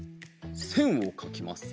せんをかきます！